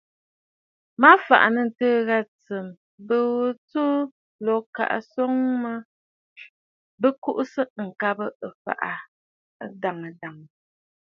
Mə fàʼà nɨ̂ ǹtɨɨ̀ ghâ tsɨm, mbɨ̀ʼɨ̀ ŋù tsù a lǒ ŋka swoŋ mə bɨ kuʼusə ŋkabə̀ ɨfàʼà ghaa adàŋə̀ dàŋə̀.